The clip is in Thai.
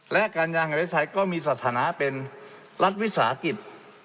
และการยางแห่งประเทศไทยก็มีสาธารณะเป็นรัฐวิสาหกิจ